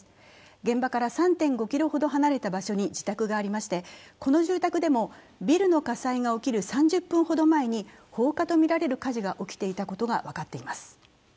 現場から３．５ｋｍほど離れた場所に自宅がありましてこの住宅でもビルの火災が起きる３０分ほど前に放火とみられる火事が起きていたことも分かっています。